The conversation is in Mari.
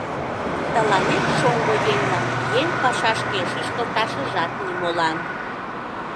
Тыланет, шоҥго еҥлан, еҥ пашашке шӱшкылташыжат нимолан!